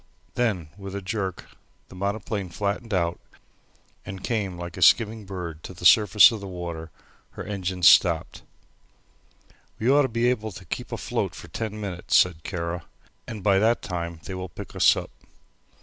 Then with a jerk the monoplane flattened out and came like a skimming bird to the surface of the water; her engines stopped. "We ought to be able to keep afloat for ten minutes," said Kara, "and by that time they will pick us up."